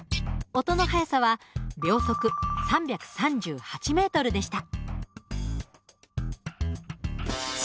警音器は秒速３３８ｍでした。